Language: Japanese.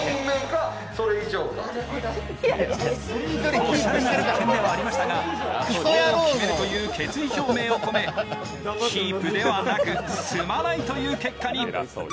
おしゃれな物件ではありましたが今日決めるという決意表明を込めキープではなく、住まないという結果に。